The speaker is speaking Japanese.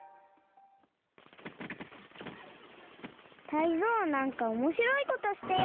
タイゾウなんかおもしろいことしてよ。